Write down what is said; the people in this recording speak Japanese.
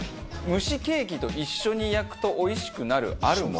蒸しケーキと一緒に焼くとおいしくなるあるもの？